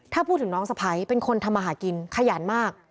ถ้าพูดถึงน้องสะพ้ายเป็นคนทำมาหากินขยันมาก